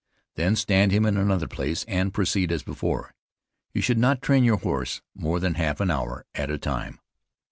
Then stand him in another place, and proceed as before. You should not train your horse more than half an hour at a time.